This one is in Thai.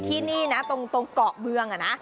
ที่นี่นะตรงเกาะเมืองนะ